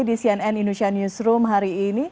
di cnn indonesia newsroom hari ini